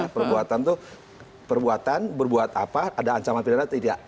perbuatan itu perbuatan berbuat apa ada ancaman pidana atau tidak